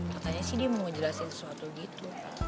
katanya sih dia mau jelasin sesuatu gitu